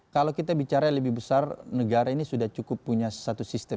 kalau kita bicara lebih besar negara ini sudah cukup punya satu sistem